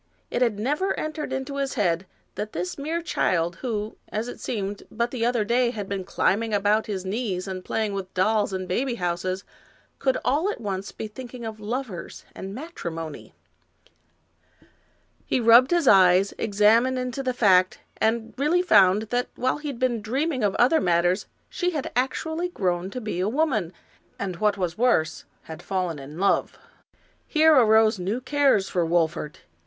It had never entered into his head that this mere child, who, as it seemed, but the other day had been climbing about his knees and playing with dolls and baby houses, could all at once be thinking of lovers and matrimony. He rubbed his eyes, examined into the fact, and really found that while he had been dreaming of other matters, she had actually grown to be a woman, and, what was worse, had fallen in love. Here arose new cares for Wolfert.